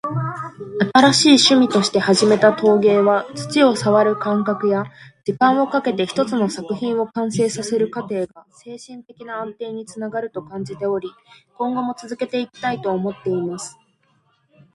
「新しい趣味として始めた陶芸は、土を触る感覚や、時間をかけて一つの作品を完成させる過程が精神的な安定につながると感じており、今後も続けていきたいと思っています。」